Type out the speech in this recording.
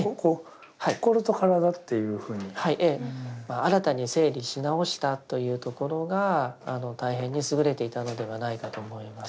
新たに整理し直したというところが大変に優れていたのではないかと思います。